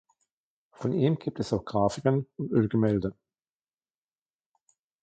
Von ihm gibt es auch Grafiken und Ölgemälde.